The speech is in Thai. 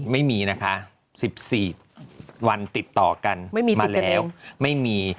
ไม่มีนะคะ๑๔วันติดต่อกันมาแล้วไม่มี